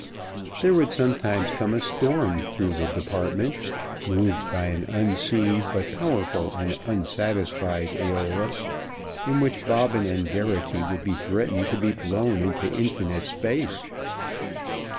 There would sometimes come a storm through the Department, moved by an unseen but powerful and unsatisfied Æolus, in which Bobbin and Geraghty would be threatened to be blown into infinite space.